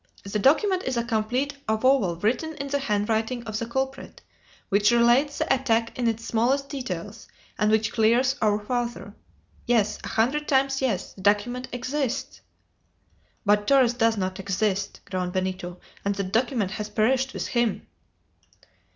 The document is a complete avowal written in the handwriting of the culprit, which relates the attack in its smallest details, and which clears our father! Yes! a hundred times, yes! The document exists!" "But Torres does not exist!" groaned Benito, "and the document has perished with him!"